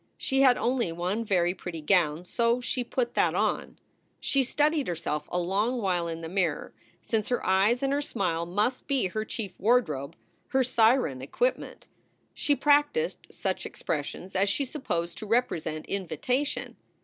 She had only one very pretty gown, so she put that on. She studied herself a long while in the mirror, since her eyes and her smile must be her chief wardrobe, her siren equipment. She practiced such expressions as she supposed to represent invitation.